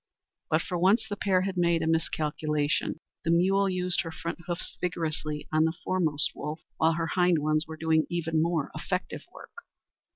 But for once the pair had made a miscalculation. The mule used her front hoofs vigorously on the foremost wolf, while her hind ones were doing even more effective work.